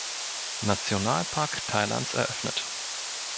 Nationalpark Thailands eröffnet.